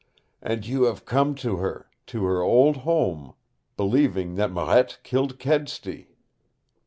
"And you have come to her, to her old home, believing that Marette killed Kedsty!